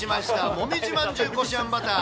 もみじ饅頭こしあんバター。